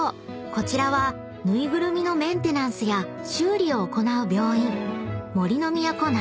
こちらはぬいぐるみのメンテナンスや修理を行う］